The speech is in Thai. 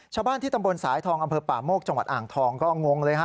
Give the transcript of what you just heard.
ชาวบ้านที่ตำบลสายทองอำเภอป่าโมกจังหวัดอ่างทองก็งงเลยฮะ